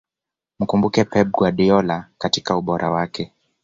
mkumbuke pep guardiola katika ubora wake